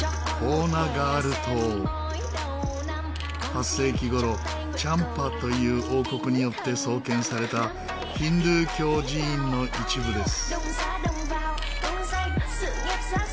８世紀頃チャンパという王国によって創建されたヒンドゥー教寺院の一部です。